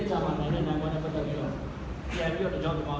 ฉะนั้นที่นอกสนามเราเป็นเพื่อนกันในสนามก็เราต้องสู้กัน